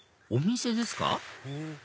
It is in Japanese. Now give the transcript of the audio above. お店ですか？